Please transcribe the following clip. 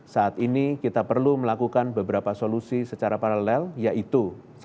saat ini kita perlu melakukan beberapa solusi secara paralel yaitu